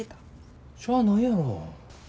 しゃあないやろ。